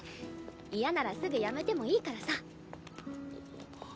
嫌ならすぐ辞めてもいいからさあっ。